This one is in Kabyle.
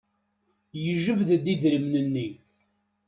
Yejbed-d idrimen-nni.